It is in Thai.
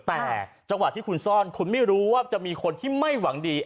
แต่จังหวะที่คุณซ่อนคุณไม่รู้ว่าจะมีคนที่ไม่หวังดี